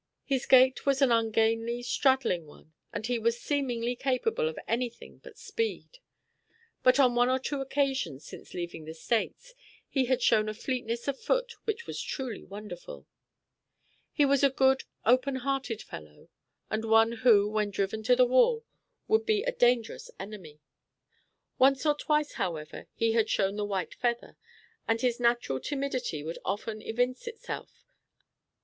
His gait was an ungainly, straddling one, and he was seemingly capable of anything but speed; but on one or two occasions since leaving the States, he had shown a fleetness of foot which was truly wonderful. He was a good, open hearted fellow, and one who, when driven to the wall, would be a dangerous enemy. Once or twice, however, he had shown the white feather, and his natural timidity would often evince itself.